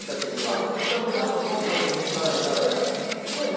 ちさ子ちゃんのコンサートにも来てもらって。